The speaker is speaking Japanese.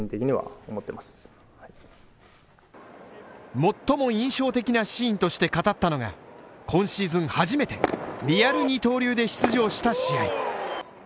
最も印象的なシーンとして語ったのが、今シーズン初めてリアル二刀流で出場した試合。